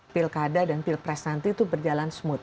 pilkada dan pilpres nanti itu berjalan smooth